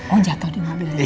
oh jatuh di mobilnya